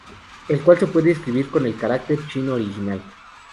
El cual se puede escribir con el carácter chino original.